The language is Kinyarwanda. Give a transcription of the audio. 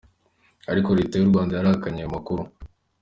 Ariko leta y'u Rwanda yarahakanye ayo makuru.